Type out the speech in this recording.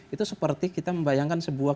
itu seperti kita membayangkan sebuah